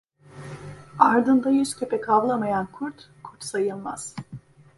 Ardında yüz köpek havlamayan kurt, kurt sayılmaz.